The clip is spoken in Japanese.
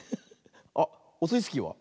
あっオスイスキーは？